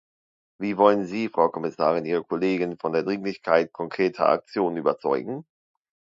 Wie wollen Sie, Frau Kommissarin, Ihre Kollegen von der Dringlichkeit konkreter Aktionen überzeugen?